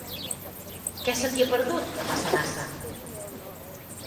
Què se t'hi ha perdut, a Massanassa?